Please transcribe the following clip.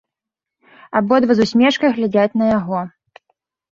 Абодва з усмешкай глядзяць на яго.